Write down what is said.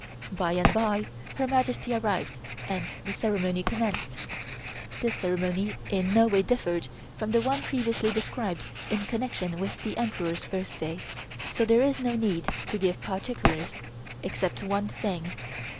By and bye Her Majesty arrived and the ceremony commenced. This ceremony in no way differed from the one previously described in connection with the Emperor's birthday, so there is no need to give particulars, except one thing.